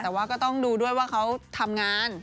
แต่ว่าก็ต้องดูด้วยว่าเขาทำงาน